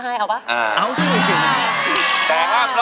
มีสมุดท้าย